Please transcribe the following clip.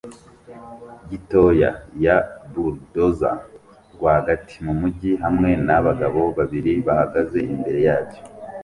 Gitoya ya bulldozer rwagati mumujyi hamwe nabagabo babiri bahagaze imbere yacyo